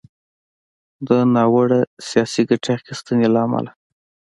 د ناوړه “سياسي ګټې اخيستنې” له امله